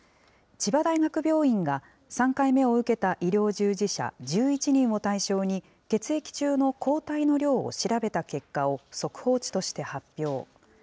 千葉大学病院が、３回目を受けた医療従事者１１人を対象に、血液中の抗体の量を調べた結果を速報値として発表。